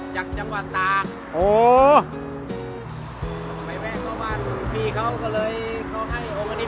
จากจังหวัดตากโอ้ไปแวะเข้าบ้านพี่เขาก็เลยเขาให้องค์กณิต